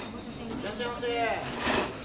いらっしゃいませ。